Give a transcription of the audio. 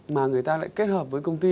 mà người ta lại kết hợp với công ty